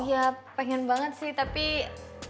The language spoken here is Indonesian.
ya pengen banget sih tapi aku harus profesi aja